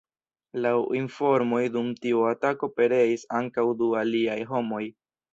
Laŭ informoj dum tiu atako pereis ankaŭ du aliaj homoj.